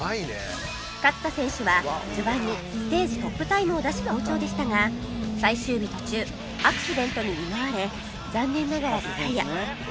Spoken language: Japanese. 勝田選手は序盤にステージトップタイムを出し好調でしたが最終日途中アクシデントに見舞われ残念ながらリタイア